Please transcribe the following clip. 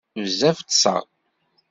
Bezzaf ṭṭseɣ.